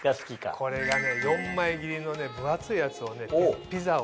これが４枚切りの分厚いやつをピザを。